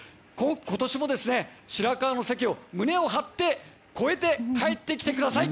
今年も白河の関を胸を張って越えて帰ってきてください。